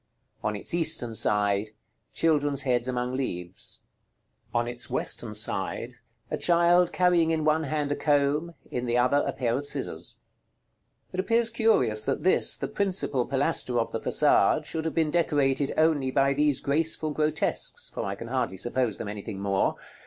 On its eastern side. Children's heads among leaves. On its western side. A child carrying in one hand a comb; in the other, a pair of scissors. It appears curious, that this, the principal pilaster of the façade, should have been decorated only by these graceful grotesques, for I can hardly suppose them anything more.